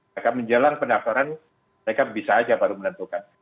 maka menjelang pendaftaran mereka bisa aja baru menentukan